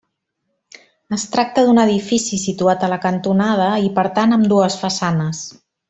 Es tracta d'un edifici situat a la cantonada i, per tant, amb dues façanes.